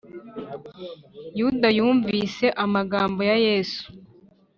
yuda yumvise amagambo ya yesu